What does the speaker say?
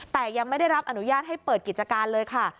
แต่ยังไม่ได้รับอนุญาตให้เปิดกิจการเลยค่ะ